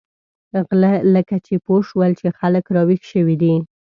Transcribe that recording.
غله لکه چې پوه شول چې خلک را وېښ شوي دي.